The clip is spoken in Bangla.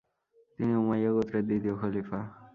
তিনি উমাইয়া গোত্রের দ্বিতীয় খলিফা।